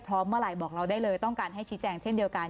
เมื่อไหร่บอกเราได้เลยต้องการให้ชี้แจงเช่นเดียวกัน